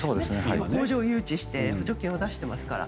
今、工場を誘致して補助金を出していますから。